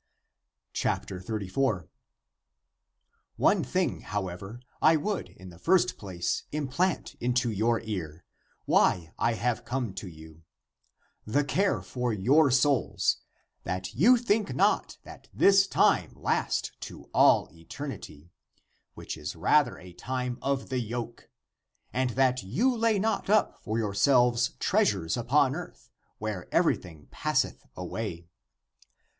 ACTS OF JOHN I47 34. " One thing, however, I would in the first place implant into your ear, why I have come to you, the care for your souls, that you think not that this time last to all eternity, which is rather a time of the yoke, and that you lay not up for yourselves treas ures upon earth, where everything passeth away.